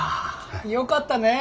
よかったねえ。